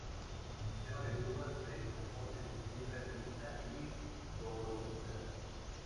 El sistema de cuevas se compone de piedra caliza y dolomita.